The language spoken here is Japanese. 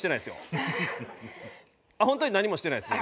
本当に何もしてないです僕。